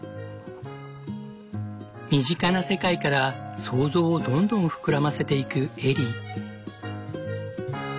身近な世界から想像をどんどん膨らませていくエリー。